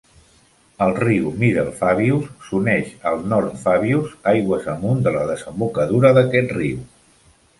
El riu Middle Fabius s'uneix al North Fabius aigües amunt de la desembocadura d'aquest riu.